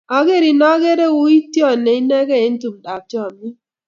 Akerin akere iu tyony ne inekey eng' tumdap chomyet.